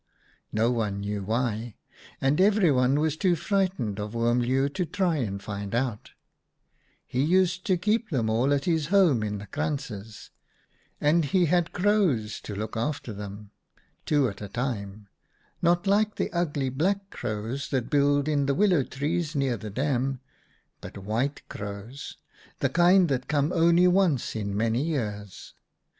No one knew why, and everyone was too frightened of Oom Leeuw to try and find out. no OUTA KAREL'S STORIES He used to keep them all at his home in the krantzes, and he had crows to look after them, two at a time — not like the ugly black crows that build in the willow trees near the dam, but White Crows, the kind that come only once in many years.